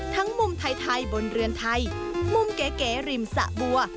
มุมไทยบนเรือนไทยมุมเก๋ริมสะบัว